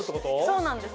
そうなんです。